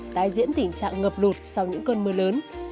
tái diễn tình trạng ngập lụt sau những cơn mưa lớn